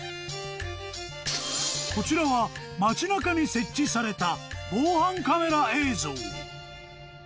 ［こちらは街中に設置された］